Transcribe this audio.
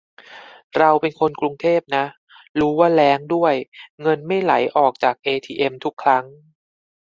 เราเป็นคนกรุงเทพนะ รู้ว่าแล้งด้วย เงินไม่ไหลออกจากเอทีเอ็มทุกครั้ง :'